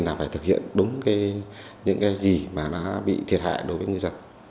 là phải thực hiện đúng cái những cái gì mà nó bị thiệt hại đối với người dân